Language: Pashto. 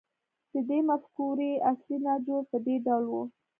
د دې مفکورې اصلي نچوړ په دې ډول و